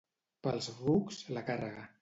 Pels rucs, la càrrega.